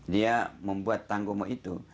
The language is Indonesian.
dia membuat tanggungan itu